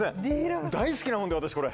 大好きなもんで私これ。